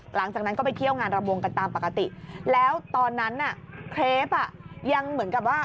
หลังจากนั้นก็ไปเที่ยวงานรำวงกันตามปกติแล้วตอนนั้นน่ะเครปอ่ะยังเหมือนกับว่า